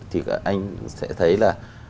thì anh sẽ thấy là